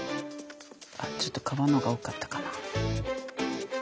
ちょっと革の方が多かったかな？